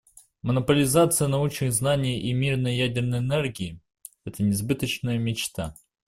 Монополизация научных знаний и мирной ядерной энергии − это несбыточная мечта.